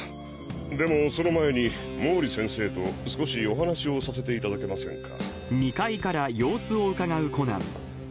でもその前に毛利先生と少しお話をさせていただけませんか？